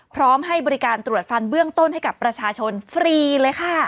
พร้อมให้บริการตรวจฟันเบื้องต้นให้กับประชาชนฟรีเลยค่ะ